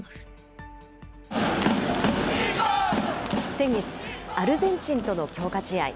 先月、アルゼンチンとの強化試合。